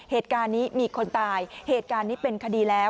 เหตุการณ์นี้มีคนตายเหตุการณ์นี้เป็นคดีแล้ว